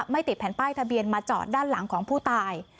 ติดแผ่นป้ายทะเบียนมาจอดด้านหลังของผู้ตาย